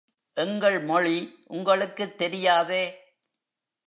எங்கள் மொழி, உங்களுக்குத் தெரியாதே.